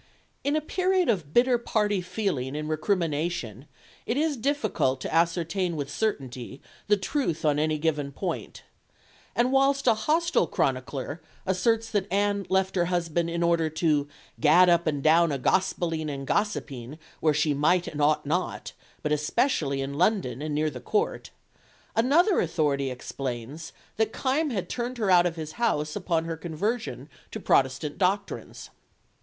In a period of bitter party feeling and recrimination, it is difficult to ascertain with certainty the truth on any given point; and whilst a hostile chronicler asserts that Anne left her husband in order "to gad up and down a gospelling and gossipping where she might and ought not, but especially in London and near the Court," another authority explains that Kyme had turned her out of his house upon her conversion to Protestant doctrines.